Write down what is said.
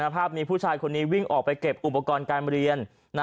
ภาพนี้ผู้ชายคนนี้วิ่งออกไปเก็บอุปกรณ์การเรียน